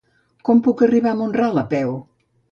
Com puc arribar a Mont-ral a peu?